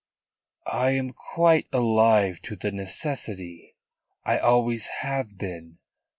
"I am quite alive to the necessity. I always have been.